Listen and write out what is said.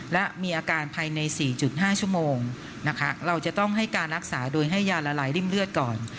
และมีอาการภายใน๔๕ชั่วโมงนะคะเราจะต้องให้การรักษาโดยให้ยาละลายริ่มเลือดก่อน